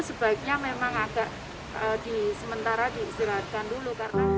sebaiknya memang agak di sementara diistirahatkan dulu